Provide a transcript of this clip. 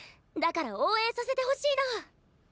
だから応援させてほしいの。